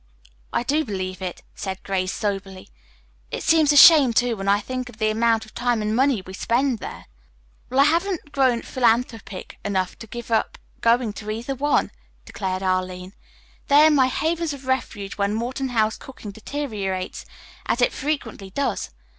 "I do believe it," said Grace soberly. "It seems a shame, too, when I think of the amount of time and money we spend there." "Well, I haven't grown philanthropic enough to give up going to either one," declared Arline. "They are my havens of refuge when Morton House cooking deteriorates, as it frequently does.